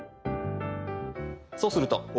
そうすると。